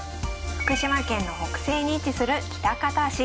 福島県の北西に位置する喜多方市。